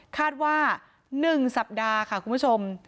คาดว่า๑สัปดาห์ค่ะคุณผู้ชม